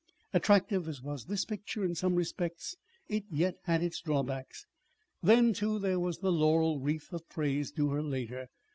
Attractive as was this picture in some respects, it yet had its drawbacks. Then, too, there was the laurel wreath of praise due her later.